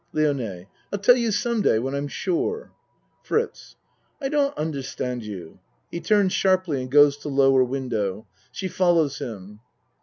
LIONE I'll tell you some day when I'm sure. FRITZ I don't understand you. (He turns sharply and goes to lower window. She follows him.)